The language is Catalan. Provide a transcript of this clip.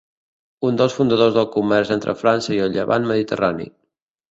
Un dels fundadors del comerç entre França i el Llevant mediterrani.